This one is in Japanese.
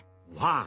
ああ！